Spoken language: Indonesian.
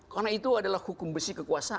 karena itu adalah hukum besi kekuasaan